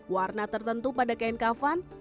warna tertentu pada kain kafan